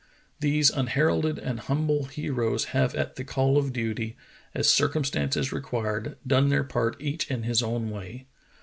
These unheralded and humble heroes have at the call of duty, as circumstances required, done their part each in his own way.